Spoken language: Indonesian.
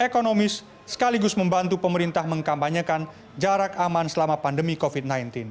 ekonomi sekaligus membantu pemerintah mengkampanyekan jarak aman selama pandemi covid sembilan belas